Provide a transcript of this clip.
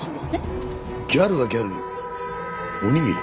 ギャルがギャルにおにぎり？